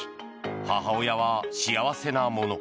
母親は幸せなもの。